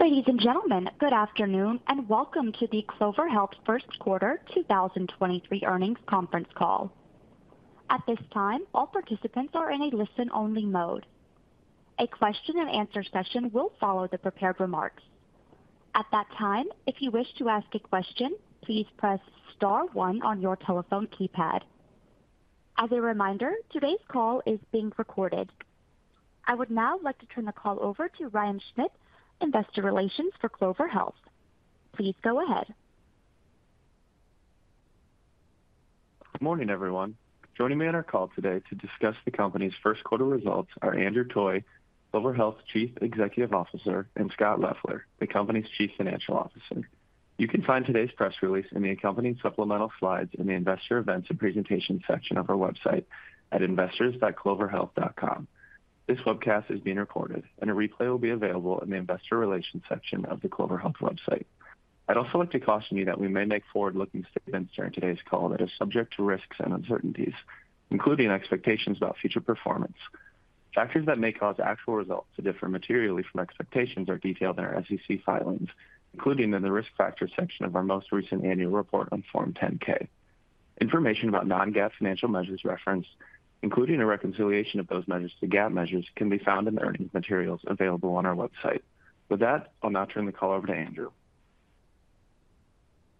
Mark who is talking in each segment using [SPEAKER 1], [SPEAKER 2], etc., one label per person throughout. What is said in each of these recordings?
[SPEAKER 1] Ladies and gentlemen, good afternoon, and welcome to the Clover Health First Quarter 2023 Earnings Conference Call. At this time, all participants are in a listen-only mode. A Q&A session will follow the prepared remarks. At that time, if you wish to ask a question, please press star one on your telephone keypad. As a reminder, today's call is being recorded. I would now like to turn the call over to Ryan Schmidt, Investor Relations for Clover Health. Please go ahead.
[SPEAKER 2] Good morning, everyone. Joining me on our call today to discuss the company's first quarter results are Andrew Toy, Clover Health Chief Executive Officer, and Scott Leffler, the company's Chief Financial Officer. You can find today's press release in the accompanying supplemental slides in the Investor Events and Presentation section of our website at investors.cloverhealth.com. This webcast is being recorded, and a replay will be available in the Investor Relations section of the Clover Health website. I'd also like to caution you that we may make forward-looking statements during today's call that are subject to risks and uncertainties, including expectations about future performance. Factors that may cause actual results to differ materially from expectations are detailed in our SEC filings, including in the Risk Factors section of our most recent annual report on Form 10-K. Information about non-GAAP financial measures referenced, including a reconciliation of those measures to GAAP measures, can be found in the earnings materials available on our website. With that, I'll now turn the call over to Andrew.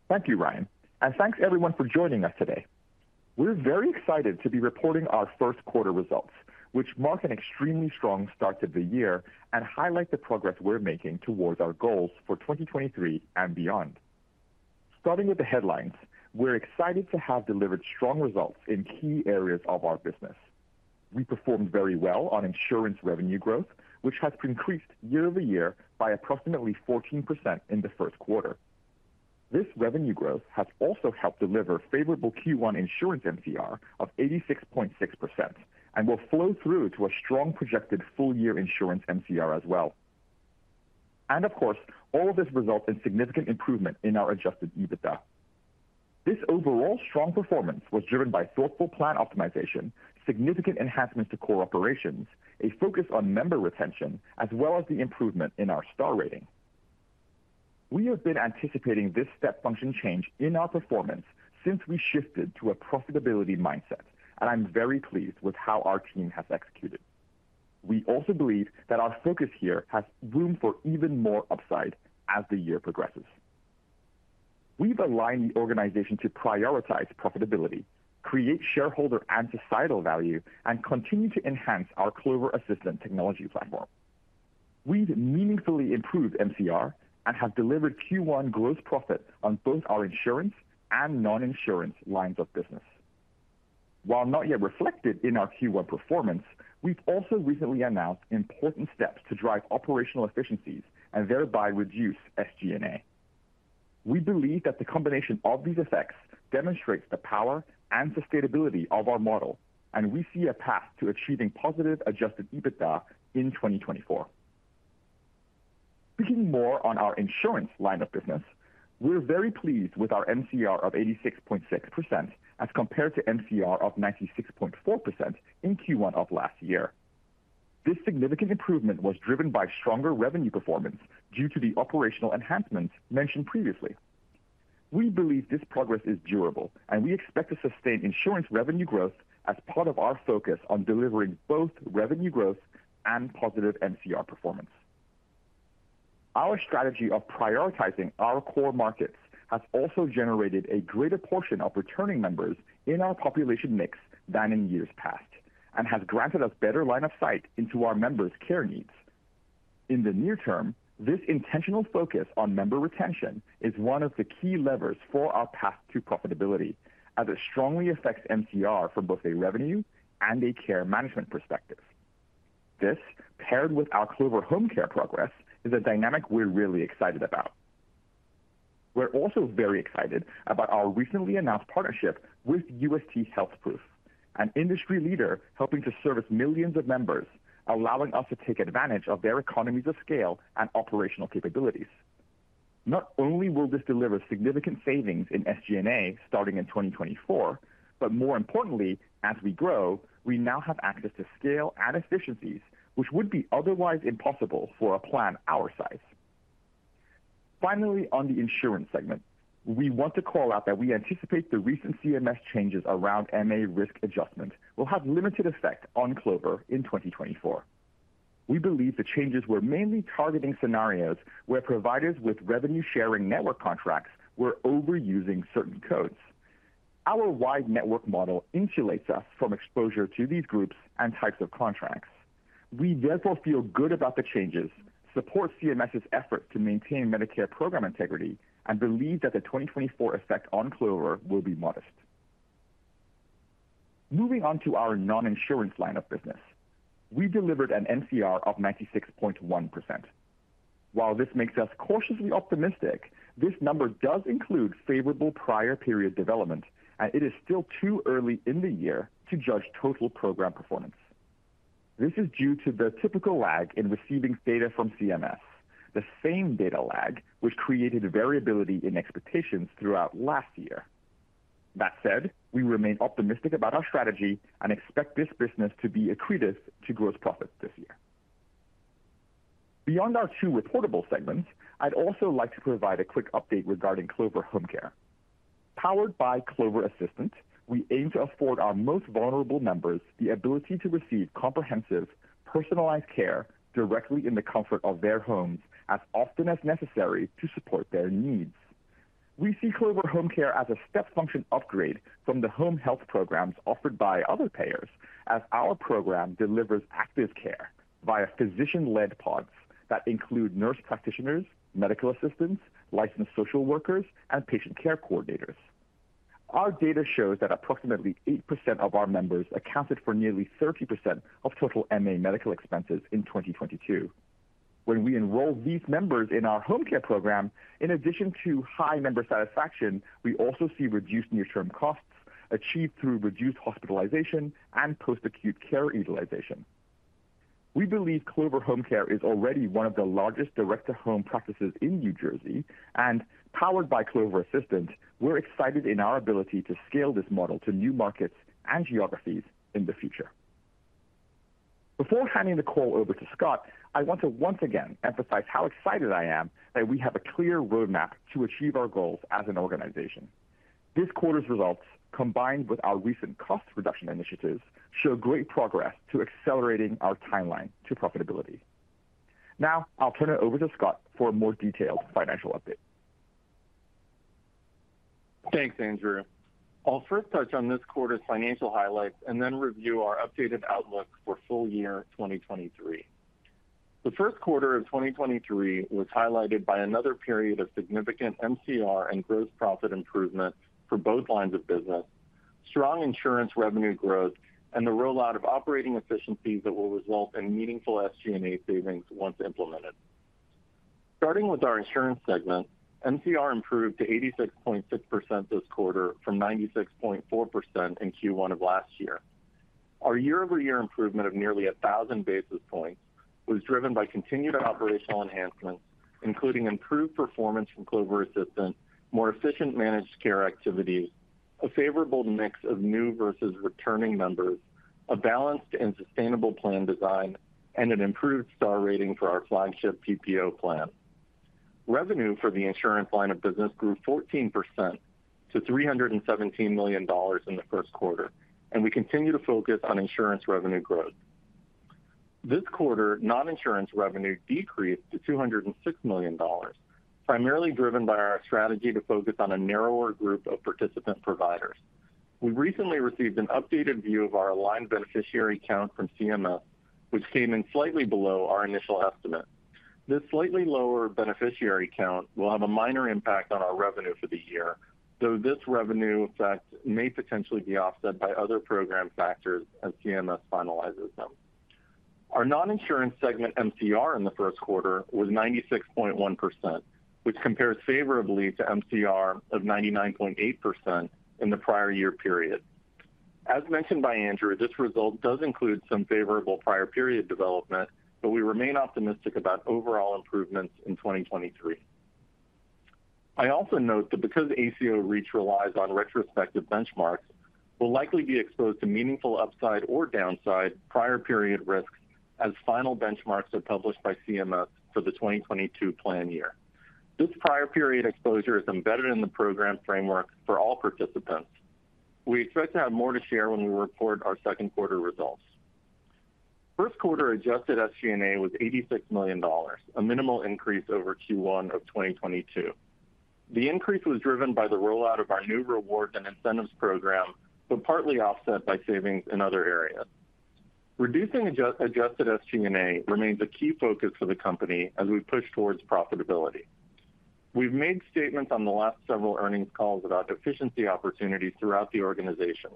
[SPEAKER 3] Thank you, Ryan, and thanks everyone for joining us today. We're very excited to be reporting our 1st quarter results, which mark an extremely strong start to the year and highlight the progress we're making towards our goals for 2023 and beyond. Starting with the headlines, we're excited to have delivered strong results in key areas of our business. We performed very well on insurance revenue growth, which has increased YoY by approximately 14% in the first quarter. This revenue growth has also helped deliver favorable Q1 insurance MCR of 86.6% and will flow through to a strong projected full-year insurance MCR as well. Of course, all of this results in significant improvement in our Adjusted EBITDA. This overall strong performance was driven by thoughtful plan optimization, significant enhancements to core operations, a focus on member retention, as well as the improvement in our Star Ratings. We have been anticipating this step function change in our performance since we shifted to a profitability mindset. I'm very pleased with how our team has executed. We also believe that our focus here has room for even more upside as the year progresses. We've aligned the organization to prioritize profitability, create shareholder and societal value, and continue to enhance our Clover Assistant technology platform. We've meaningfully improved MCR and have delivered Q1 gross profit on both our insurance and non-insurance lines of business. While not yet reflected in our Q1 performance, we've also recently announced important steps to drive operational efficiencies and thereby reduce SG&A. We believe that the combination of these effects demonstrates the power and sustainability of our model, and we see a path to achieving positive Adjusted EBITDA in 2024. Speaking more on our insurance line of business, we're very pleased with our MCR of 86.6% as compared to MCR of 96.4% in Q1 of last year. This significant improvement was driven by stronger revenue performance due to the operational enhancements mentioned previously. We believe this progress is durable, and we expect to sustain insurance revenue growth as part of our focus on delivering both revenue growth and positive MCR performance. Our strategy of prioritizing our core markets has also generated a greater portion of returning members in our population mix than in years past and has granted us better line of sight into our members' care needs. In the near term, this intentional focus on member retention is one of the key levers for our path to profitability as it strongly affects MCR from both a revenue and a care management perspective. This, paired with our Clover Home Care progress, is a dynamic we're really excited about. We're also very excited about our recently announced partnership with UST HealthProof, an industry leader helping to service millions of members, allowing us to take advantage of their economies of scale and operational capabilities. Not only will this deliver significant savings in SG&A starting in 2024, but more importantly, as we grow, we now have access to scale and efficiencies which would be otherwise impossible for a plan our size. On the insurance segment, we want to call out that we anticipate the recent CMS changes around MA risk adjustment will have limited effect on Clover in 2024. We believe the changes were mainly targeting scenarios where providers with revenue-sharing network contracts were overusing certain codes. Our wide network model insulates us from exposure to these groups and types of contracts. We therefore feel good about the changes, support CMS's effort to maintain Medicare program integrity, and believe that the 2024 effect on Clover will be modest. Moving on to our non-insurance line of business. We delivered an MCR of 96.1%. While this makes us cautiously optimistic, this number does include favorable prior period development, and it is still too early in the year to judge total program performance. This is due to the typical lag in receiving data from CMS, the same data lag which created variability in expectations throughout last year. That said, we remain optimistic about our strategy and expect this business to be accretive to gross profit this year. Beyond our two reportable segments, I'd also like to provide a quick update regarding Clover Home Care. Powered by Clover Assistant, we aim to afford our most vulnerable members the ability to receive comprehensive, personalized care directly in the comfort of their homes as often as necessary to support their needs. We see Clover Home Care as a step function upgrade from the home health programs offered by other payers as our program delivers active care via physician-led pods that include nurse practitioners, medical assistants, licensed social workers, and patient care coordinators. Our data shows that approximately 8% of our members accounted for nearly 30% of total MA medical expenses in 2022. When we enroll these members in our home care program, in addition to high member satisfaction, we also see reduced near-term costs achieved through reduced hospitalization and post-acute care utilization. We believe Clover Home Care is already one of the largest direct-to-home practices in New Jersey, and powered by Clover Assistant, we're excited in our ability to scale this model to new markets and geographies in the future. Before handing the call over to Scott, I want to once again emphasize how excited I am that we have a clear roadmap to achieve our goals as an organization. This quarter's results, combined with our recent cost reduction initiatives, show great progress to accelerating our timeline to profitability. Now, I'll turn it over to Scott for a more detailed financial update.
[SPEAKER 4] Thanks, Andrew. I'll first touch on this quarter's financial highlights and then review our updated outlook for full year 2023. The first quarter of 2023 was highlighted by another period of significant MCR and gross profit improvement for both lines of business, strong insurance revenue growth, and the rollout of operating efficiencies that will result in meaningful SG&A savings once implemented. Starting with our insurance segment, MCR improved to 86.6% this quarter from 96.4% in Q1 of last year. Our YoY improvement of nearly 1,000 basis points was driven by continued operational enhancements, including improved performance from Clover Assistant, more efficient managed care activities, a favorable mix of new versus returning members, a balanced and sustainable plan design, and an improved Star Ratings for our flagship PPO plan. Revenue for the insurance line of business grew 14% to $317 million in the first quarter. We continue to focus on insurance revenue growth. This quarter, non-insurance revenue decreased to $206 million, primarily driven by our strategy to focus on a narrower group of participant providers. We recently received an updated view of our aligned beneficiary count from CMS, which came in slightly below our initial estimate. This slightly lower beneficiary count will have a minor impact on our revenue for the year, though this revenue effect may potentially be offset by other program factors as CMS finalizes them. Our non-insurance segment MCR in the first quarter was 96.1%, which compares favorably to MCR of 99.8% in the prior year period. As mentioned by Andrew, this result does include some favorable prior period development, but we remain optimistic about overall improvements in 2023. I also note that because ACO REACH relies on retrospective benchmarks, we'll likely be exposed to meaningful upside or downside prior period risks as final benchmarks are published by CMS for the 2022 plan year. This prior period exposure is embedded in the program framework for all participants. We expect to have more to share when we report our second quarter results. First quarter Adjusted SG&A was $86 million, a minimal increase over Q1 of 2022. The increase was driven by the rollout of our new rewards and incentives program, but partly offset by savings in other areas. Reducing Adjusted SG&A remains a key focus for the company as we push towards profitability. We've made statements on the last several earnings calls about efficiency opportunities throughout the organization.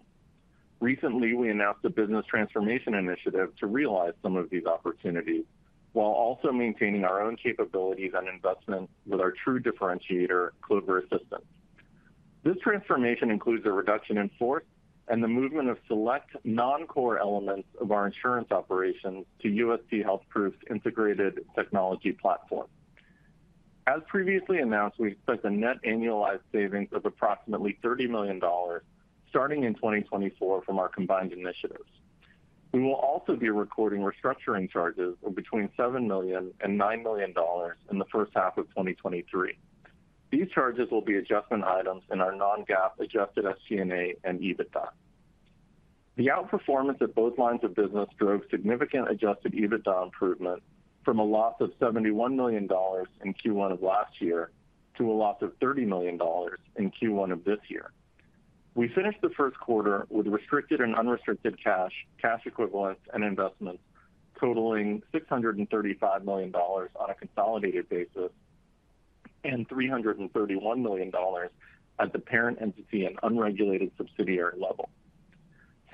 [SPEAKER 4] Recently, we announced a business transformation initiative to realize some of these opportunities while also maintaining our own capabilities and investments with our true differentiator, Clover Assistant. This transformation includes a reduction in force and the movement of select non-core elements of our insurance operations to UST HealthProof's integrated technology platform. As previously announced, we expect a net annualized savings of approximately $30 million starting in 2024 from our combined initiatives. We will also be recording restructuring charges of between $7 million and $9 million in the first half of 2023. These charges will be adjustment items in our non-GAAP Adjusted SG&A and EBITDA. The outperformance of both lines of business drove significant Adjusted EBITDA improvement from a loss of $71 million in Q1 of last year to a loss of $30 million in Q1 of this year. We finished the first quarter with restricted and unrestricted cash equivalents, and investments totaling $635 million on a consolidated basis and $331 million at the parent entity and unregulated subsidiary level.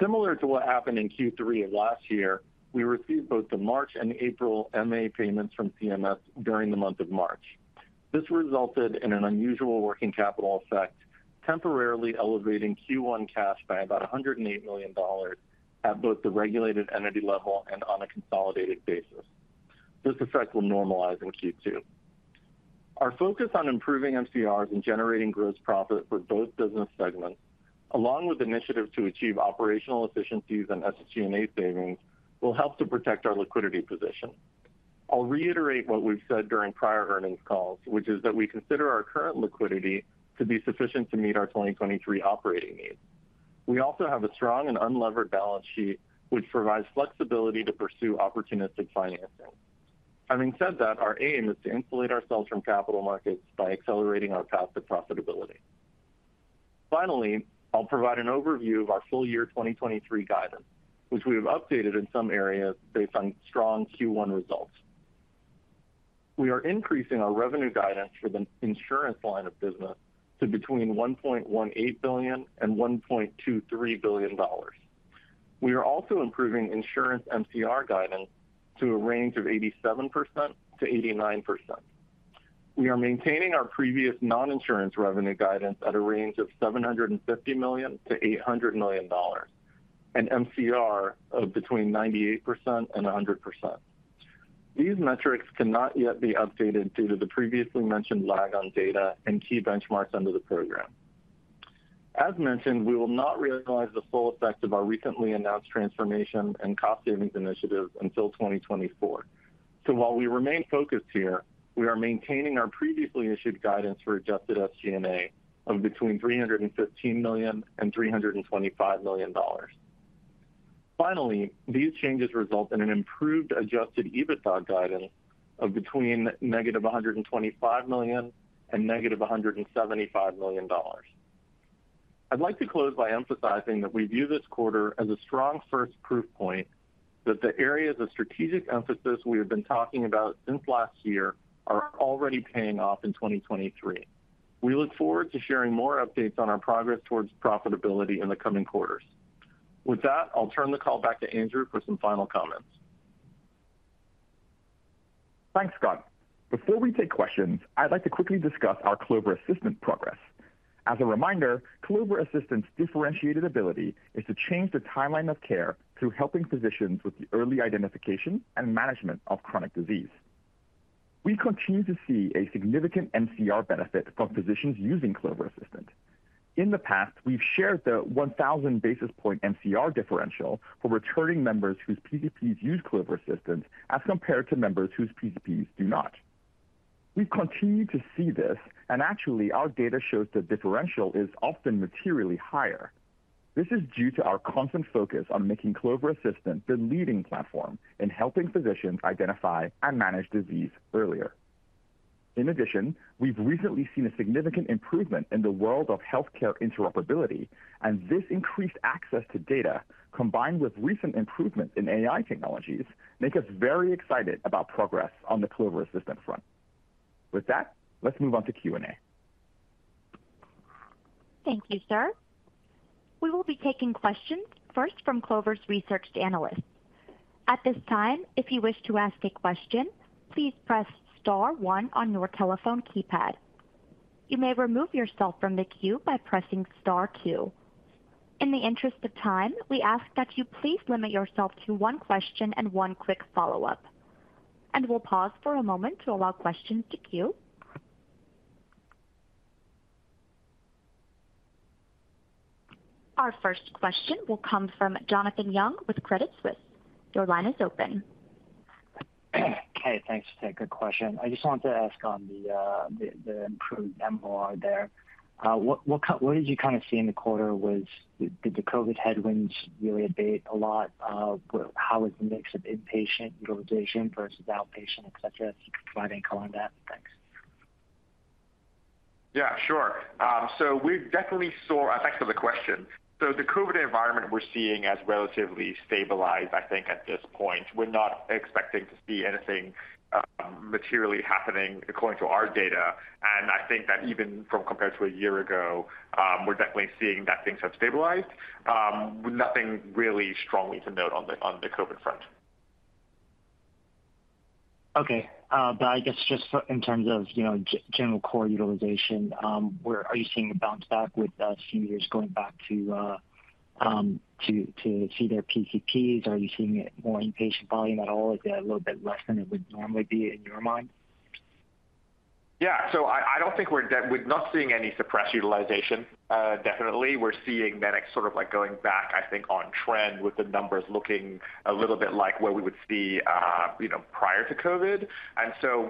[SPEAKER 4] Similar to what happened in Q3 of last year, we received both the March and April MA payments from CMS during the month of March. This resulted in an unusual working capital effect, temporarily elevating Q1 cash by about $108 million at both the regulated entity level and on a consolidated basis. This effect will normalize in Q2. Our focus on improving MCRs and generating gross profit for both business segments, along with initiatives to achieve operational efficiencies and SG&A savings, will help to protect our liquidity position. I'll reiterate what we've said during prior earnings calls, which is that we consider our current liquidity to be sufficient to meet our 2023 operating needs. We also have a strong and unlevered balance sheet, which provides flexibility to pursue opportunistic financing. Having said that, our aim is to insulate ourselves from capital markets by accelerating our path to profitability. Finally, I'll provide an overview of our full year 2023 guidance, which we have updated in some areas based on strong Q1 results. We are increasing our revenue guidance for the insurance line of business to between $1.18 billion and $1.23 billion. We are also improving insurance MCR guidance to a range of 87%-89%. We are maintaining our previous non-insurance revenue guidance at a range of $750 million-$800 million, and MCR of between 98% and 100%. These metrics cannot yet be updated due to the previously mentioned lag on data and key benchmarks under the program. As mentioned, we will not realize the full effect of our recently announced transformation and cost savings initiative until 2024. While we remain focused here, we are maintaining our previously issued guidance for Adjusted SG&A of between $315 million and $325 million. Finally, these changes result in an improved Adjusted EBITDA guidance of between -$125 million and -$175 million. I'd like to close by emphasizing that we view this quarter as a strong first proof point that the areas of strategic emphasis we have been talking about since last year are already paying off in 2023. We look forward to sharing more updates on our progress towards profitability in the coming quarters. With that, I'll turn the call back to Andrew for some final comments.
[SPEAKER 3] Thanks, Scott. Before we take questions, I'd like to quickly discuss our Clover Assistant progress. As a reminder, Clover Assistant's differentiated ability is to change the timeline of care through helping physicians with the early identification and management of chronic disease. We continue to see a significant MCR benefit from physicians using Clover Assistant. In the past, we've shared the 1,000 basis point MCR differential for returning members whose PCPs use Clover Assistant as compared to members whose PCPs do not. We've continued to see this, and actually, our data shows the differential is often materially higher. This is due to our constant focus on making Clover Assistant the leading platform in helping physicians identify and manage disease earlier. In addition, we've recently seen a significant improvement in the world of healthcare interoperability, and this increased access to data, combined with recent improvements in AI technologies, make us very excited about progress on the Clover Assistant front. With that, let's move on to Q&A.
[SPEAKER 1] Thank you, sir. We will be taking questions first from Clover's research analysts. At this time, if you wish to ask a question, please press star one on your telephone keypad. You may remove yourself from the queue by pressing star two. In the interest of time, we ask that you please limit yourself to one question and one quick follow-up. We'll pause for a moment to allow questions to queue. Our first question will come from Jonathan Yong with Credit Suisse. Your line is open.
[SPEAKER 5] Okay, thanks for taking the question. I just wanted to ask on the improved MCR there, what did you kind of see in the quarter? Did the COVID headwinds really abate a lot of how is the mix of inpatient utilization versus outpatient, et cetera, if you could provide any color on that? Thanks.
[SPEAKER 3] Yeah, sure. Thanks for the question. The COVID environment we're seeing as relatively stabilized, I think, at this point. We're not expecting to see anything, materially happening according to our data. I think that even from compared to a year ago, we're definitely seeing that things have stabilized. Nothing really strongly to note on the COVID front.
[SPEAKER 5] Okay. I guess just in terms of, you know, general core utilization, are you seeing a bounce back with, to see their PCPs? Are you seeing it more inpatient volume at all? Is it a little bit less than it would normally be in your mind?
[SPEAKER 3] Yeah. I don't think we're not seeing any suppressed utilization. Definitely, we're seeing medic sort of like going back, I think, on trend with the numbers looking a little bit like what we would see, you know, prior to COVID.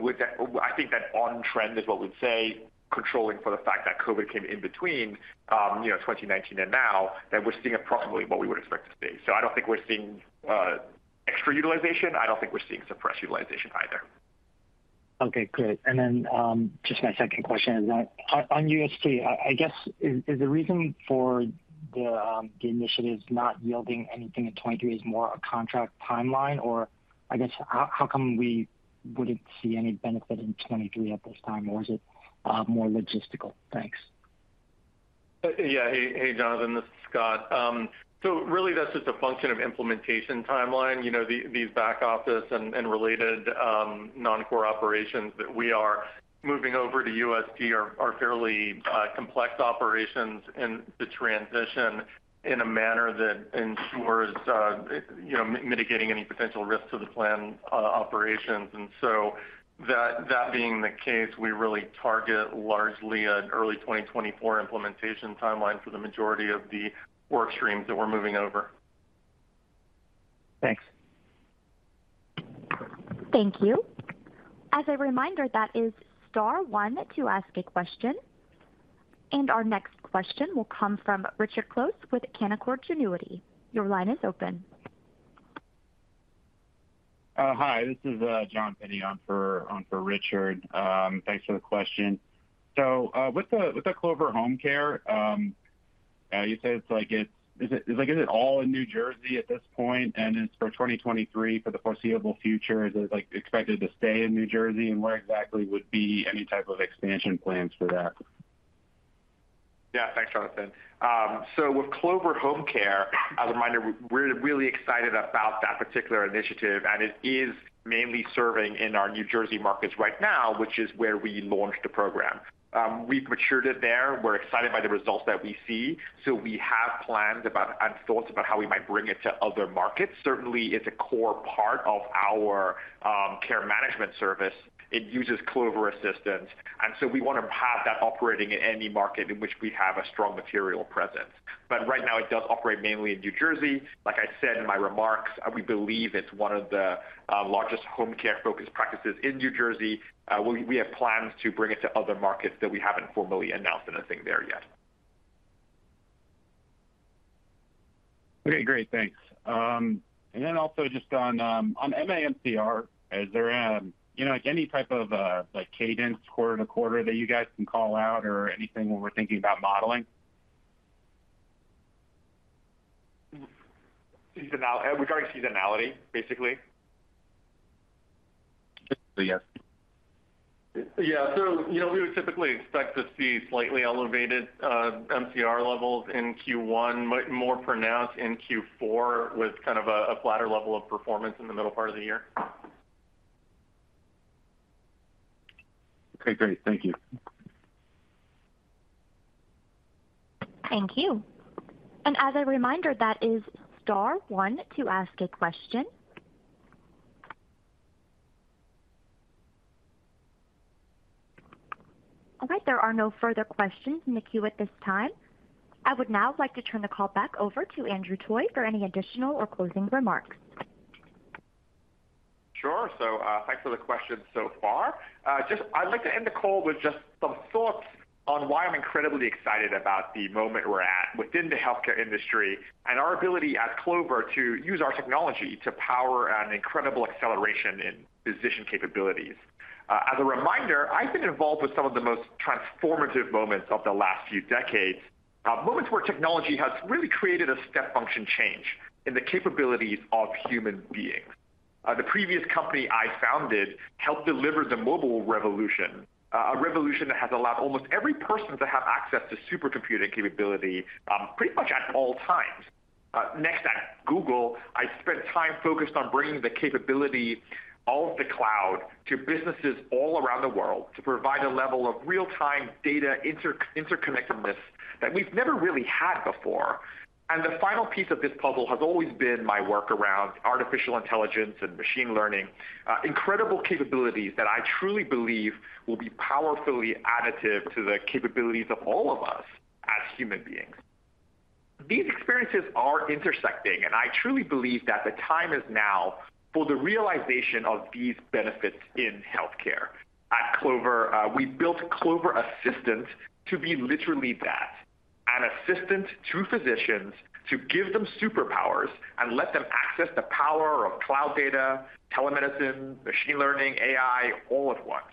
[SPEAKER 3] With that, I think that on trend is what we'd say, controlling for the fact that COVID came in between, you know, 2019 and now, that we're seeing approximately what we would expect to see. I don't think we're seeing extra utilization. I don't think we're seeing suppressed utilization either.
[SPEAKER 5] Okay, great. Then, just my second question is on UST, I guess, is the reason for the initiatives not yielding anything in 23 is more a contract timeline? I guess, how come we wouldn't see any benefit in 23 at this time, or is it, more logistical? Thanks.
[SPEAKER 4] yeah. Hey, hey, Jonathan. Scott, really that's just a function of implementation timeline. You know, these back office and related non-core operations that we are moving over to UST are fairly complex operations in the transition in a manner that ensures, you know, mitigating any potential risk to the plan operations. That being the case, we really target largely an early 2024 implementation timeline for the majority of the work streams that we're moving over.
[SPEAKER 5] Thanks.
[SPEAKER 1] Thank you. As a reminder, that is star one to ask a question. Our next question will come from Richard Close with Canaccord Genuity. Your line is open.
[SPEAKER 6] Hi, this is John Pinney on for Richard. Thanks for the question. With the Clover Home Care, Is it, like, is it all in New Jersey at this point, and it's for 2023 for the foreseeable future? Is it, like, expected to stay in New Jersey, and where exactly would be any type of expansion plans for that?
[SPEAKER 4] Yeah. Thanks, Jonathan. With Clover Home Care, as a reminder, we're really excited about that particular initiative, and it is mainly serving in our New Jersey markets right now, which is where we launched the program. We've matured it there. We're excited by the results that we see. We have plans about and thoughts about how we might bring it to other markets. Certainly, it's a core part of our care management service. It uses Clover Assistant. We wanna have that operating in any market in which we have a strong material presence. Right now it does operate mainly in New Jersey. Like I said in my remarks, we believe it's one of the largest home care focused practices in New Jersey. We have plans to bring it to other markets that we haven't formally announced anything there yet.
[SPEAKER 6] Okay. Great. Thanks. Also just on MA MCR, is there, you know, like, any type of, like, cadence quarter to quarter that you guys can call out or anything when we're thinking about modeling?
[SPEAKER 4] Seasonality. Regarding seasonality, basically?
[SPEAKER 6] Yes.
[SPEAKER 4] Yeah. you know, we would typically expect to see slightly elevated MCR levels in Q1, more pronounced in Q4, with kind of a flatter level of performance in the middle part of the year.
[SPEAKER 6] Okay. Great. Thank you.
[SPEAKER 1] Thank you. As a reminder, that is star one to ask a question. All right, there are no further questions in the queue at this time. I would now like to turn the call back over to Andrew Toy for any additional or closing remarks.
[SPEAKER 3] Thanks for the questions so far. Just I'd like to end the call with just some thoughts on why I'm incredibly excited about the moment we're at within the healthcare industry and our ability at Clover to use our technology to power an incredible acceleration in physician capabilities. As a reminder, I've been involved with some of the most transformative moments of the last few decades, moments where technology has really created a step function change in the capabilities of human beings. The previous company I founded helped deliver the mobile revolution, a revolution that has allowed almost every person to have access to supercomputer capability, pretty much at all times. Next, at Google, I spent time focused on bringing the capability of the cloud to businesses all around the world to provide a level of real-time data interconnectedness that we've never really had before. The final piece of this puzzle has always been my work around artificial intelligence and machine learning, incredible capabilities that I truly believe will be powerfully additive to the capabilities of all of us as human beings. These experiences are intersecting, I truly believe that the time is now for the realization of these benefits in healthcare. At Clover, we built Clover Assistant to be literally that, an assistant to physicians to give them superpowers and let them access the power of cloud data, telemedicine, machine learning, AI all at once.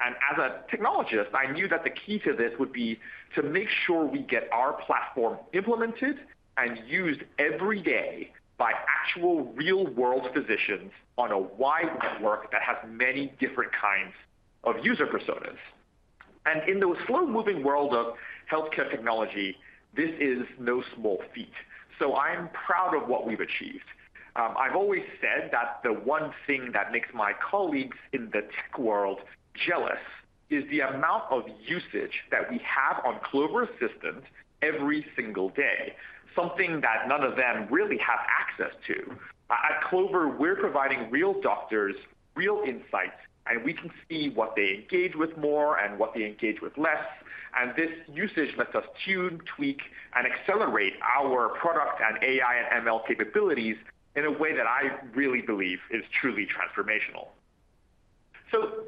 [SPEAKER 3] As a technologist, I knew that the key to this would be to make sure we get our platform implemented and used every day by actual real-world physicians on a wide network that has many different kinds of user personas. In the slow-moving world of healthcare technology, this is no small feat, so I'm proud of what we've achieved. I've always said that the one thing that makes my colleagues in the tech world jealous is the amount of usage that we have on Clover Assistant every single day, something that none of them really have access to. At Clover, we're providing real doctors real insights, and we can see what they engage with more and what they engage with less. This usage lets us tune, tweak, and accelerate our product and AI and ML capabilities in a way that I really believe is truly transformational.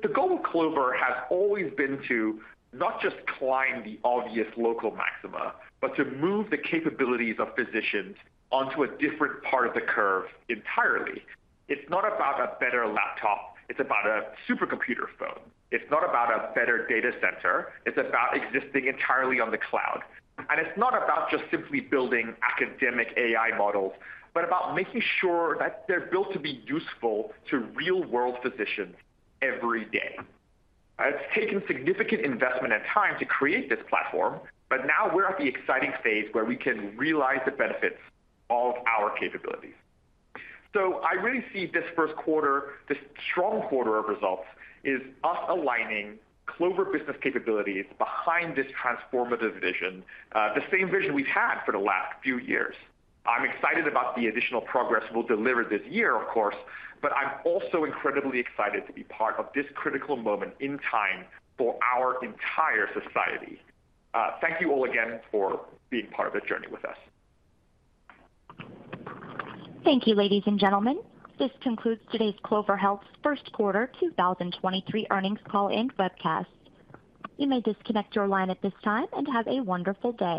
[SPEAKER 3] The goal of Clover has always been to not just climb the obvious local maxima, but to move the capabilities of physicians onto a different part of the curve entirely. It's not about a better laptop. It's about a supercomputer phone. It's not about a better data center. It's about existing entirely on the cloud. It's not about just simply building academic AI models, but about making sure that they're built to be useful to real-world physicians every day. It's taken significant investment and time to create this platform, but now we're at the exciting phase where we can realize the benefits of our capabilities. I really see this first quarter, this strong quarter of results, is us aligning Clover business capabilities behind this transformative vision, the same vision we've had for the last few years. I'm excited about the additional progress we'll deliver this year, of course, but I'm also incredibly excited to be part of this critical moment in time for our entire society. Thank you all again for being part of the journey with us.
[SPEAKER 1] Thank you, ladies and gentlemen. This concludes today's Clover Health's first quarter 2023 earnings call and webcast. You may disconnect your line at this time, and have a wonderful day.